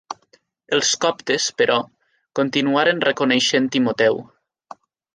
Els coptes, però, continuaren reconeixent Timoteu.